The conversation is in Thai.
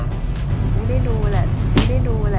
ไม่ได้ดูแหละไม่ได้ดูแหละ